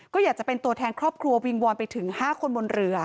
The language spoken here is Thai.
ก็อยากจะเป็นตัวแทนครอบครัววิงวอนไปถึง๕คนบนเรือ